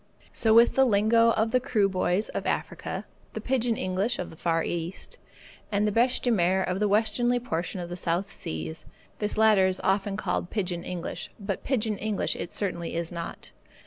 So with the lingo of the Kroo boys of Africa, the pigeon English of the Far East, and the bêche de mer of the westerly portion of the South Seas. This latter is often called pigeon English, but pigeon English it certainly is not.